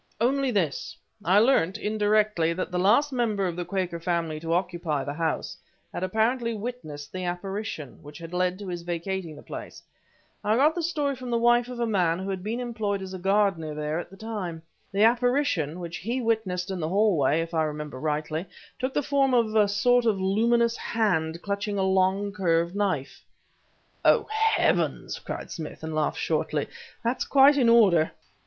"Only this: I learnt, indirectly, that the last member of the Quaker family to occupy the house had apparently witnessed the apparition, which had led to his vacating the place. I got the story from the wife of a man who had been employed as gardener there at that time. The apparition which he witnessed in the hallway, if I remember rightly took the form of a sort of luminous hand clutching a long, curved knife." "Oh, Heavens!" cried Smith, and laughed shortly; "that's quite in order!"